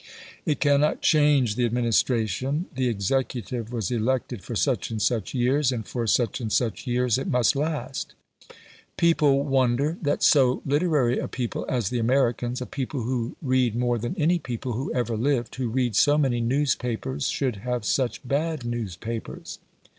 It cannot change the administration; the executive was elected for such and such years, and for such and such years it must last. People wonder that so literary a people as the Americans a people who read more than any people who ever lived, who read so many newspapers should have such bad newspapers.